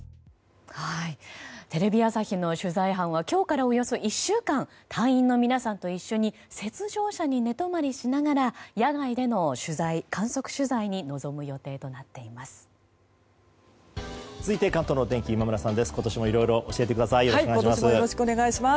テレビ朝日の取材班は今日からおよそ１週間隊員の皆さんと一緒に雪上車に寝泊まりしながら野外での取材、観測取材に臨む予定となっています。